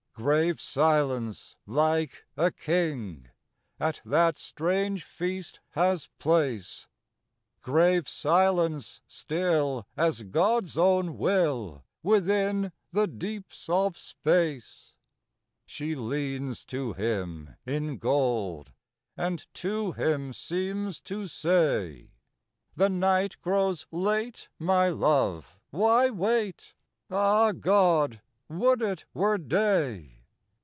Grave Silence, like a king, At that strange feast has place; Grave Silence still as God's own will Within the deeps of space. She leans to him in gold, And to him seems to say "The night grows late, my love! Why wait? Ah God! would it were day!